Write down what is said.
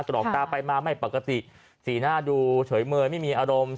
รอกตาไปมาไม่ปกติสีหน้าดูเฉยเมยไม่มีอารมณ์